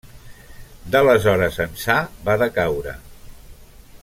D'aleshores ençà va decaure.